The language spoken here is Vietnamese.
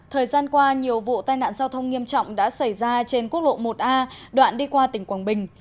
thời gian qua nhiều vụ tai nạn giao thông nghiêm trọng đã xảy ra trên quốc lộ một a đoạn đi qua tỉnh quảng bình